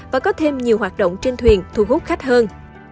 và có thêm nhiều hoạt động trên thuyền thu hút khách hơn